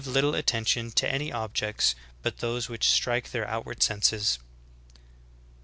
little attention to any objects but those which strike their outward senses."